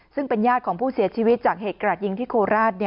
ซึ่งเป็นญาติของผู้เสียชีวิตจากเหตุกระดยิงที่โคราช